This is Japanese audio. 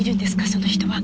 その人は。